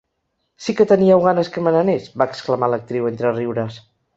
“Sí que teníeu ganes que me n’anés”, va exclamar l’actriu entre riures.